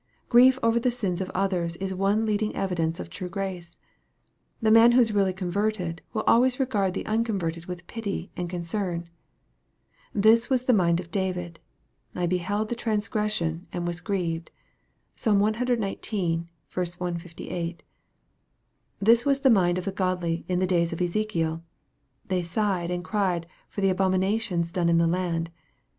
Grief over the sins of others is one leading evidence of true grace. The man who is really converted, will always regard the unconverted with pity and concern. This was the mind of David :" I beheld the transgres sors, and was grieved." (Psalm cxix. 158.) This was the mind of the godly in the days of Ezekiel :" They sighed and cried for the abominations done in the land."